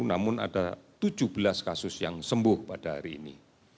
namun ada tujuh belas kasus yang sembuh pada hari ini